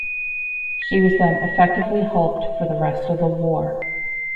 She was then effectively hulked for the rest of the war.